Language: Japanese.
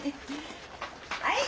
はい！